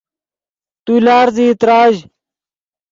تو لارزیئی تراژ